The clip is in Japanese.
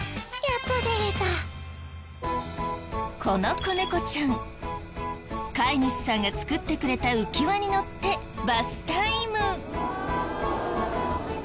この子猫ちゃん飼い主さんが作ってくれた浮輪にのってバスタイム。